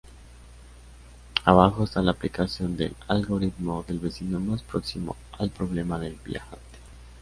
Abajo está la aplicación del algoritmo del vecino más próximo al problema del viajante.